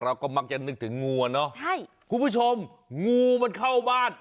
เราก็มักจะนึกถึงงูอ่ะเนอะใช่คุณผู้ชมงูมันเข้าบ้าน